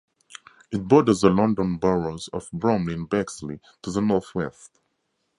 It borders the London Boroughs of Bromley and Bexley to the northwest.